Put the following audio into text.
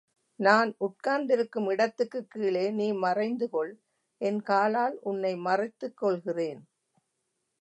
நான் உட்கார்ந்திருக்கும் இடத்துக்குக் கீழே நீ மறைந்து கொள் என் காலால் உன்னை மறைத்துக் கொள்கிறேன்.